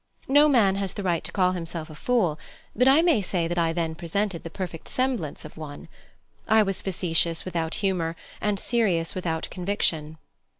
No man has the right to call himself a fool, but I may say that I then presented the perfect semblance of one. I was facetious without humour and serious without conviction.